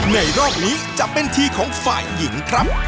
ในรอบนี้จะเป็นทีของฝ่ายหญิงครับ